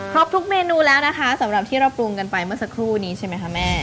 ทุกเมนูแล้วนะคะสำหรับที่เราปรุงกันไปเมื่อสักครู่นี้ใช่ไหมคะแม่